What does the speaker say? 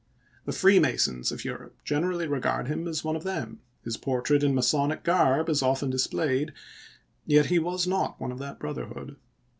The Freemasons of Europe generally regard him as one of them — his portrait in Masonic garb is often displayed; yet he was not one of that brotherhood.